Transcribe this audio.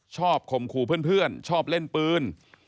ชอบคมคู่เพื่อนชอบเล่นปืน